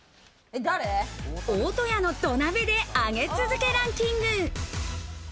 大戸屋の土鍋で上げ続けランキング。